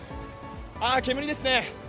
あー、煙ですね。